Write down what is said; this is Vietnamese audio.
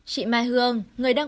chị mai hương người đang